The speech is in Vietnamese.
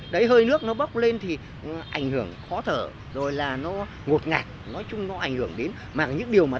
bởi nếu không ở đây thì cũng không biết ở đâu